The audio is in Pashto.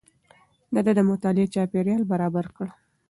ده د مطالعې چاپېريال برابر کړ.